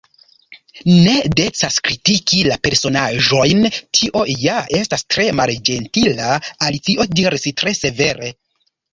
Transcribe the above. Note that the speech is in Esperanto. "Ne decas kritiki la personaĵojn; tio ja estas tre malĝentila." Alicio diris tre severe.